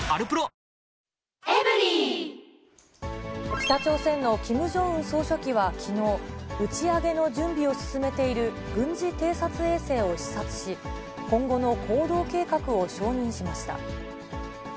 北朝鮮のキム・ジョンウン総書記は、きのう、打ち上げの準備を進めている軍事偵察衛星を視察し、今後の行動計画を承認しました。